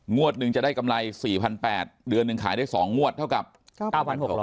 หนึ่งจะได้กำไร๔๘๐๐เดือนหนึ่งขายได้๒งวดเท่ากับ๙๖๐๐